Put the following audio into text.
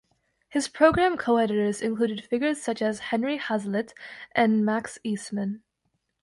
His program co-editors included figures such as Henry Hazlitt and Max Eastman.